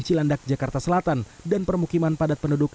cilandak jakarta selatan dan permukiman padat penduduk